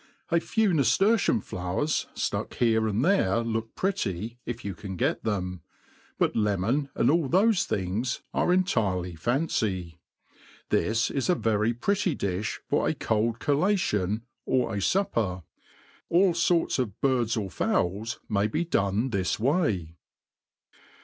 A few naftertium flowers iluck here and the r"c look pretty, if you can get them ; but le mon, and all thoIc things, are entirely fancy. This is a very pretty difli for a cold collation, or a fupper. AU forts of birds or fowls may be done this way. r MADE PLAIN AND EASY.